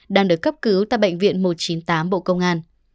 đang được cấp cứu tại bệnh viện một trăm chín mươi tám bộ công an